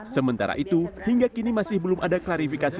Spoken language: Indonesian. sementara itu hingga kini masih belum ada klarifikasi